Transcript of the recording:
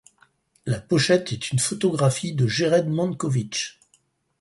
La pochette est une photographie de Gered Mankowitz.